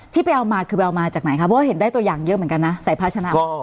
ที่ไปเอามาคือไปเอามาจากไหนคะเพราะว่าเห็นได้ตัวอย่างเยอะเหมือนกันนะใส่ภาชนะ